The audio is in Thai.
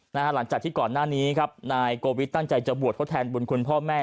หลังจากที่ก่อนหน้านี้ครับนายโกวิทตั้งใจจะบวชทดแทนบุญคุณพ่อแม่